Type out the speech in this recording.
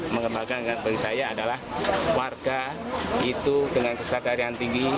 mengembangkan bagi saya adalah warga itu dengan kesadaran tinggi